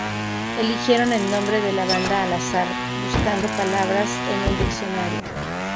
Eligieron el nombre de la banda al azar, buscando palabras en un diccionario.